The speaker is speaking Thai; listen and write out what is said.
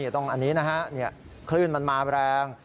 ต้องอันนี้นะฮะคลื่นมันมาแรง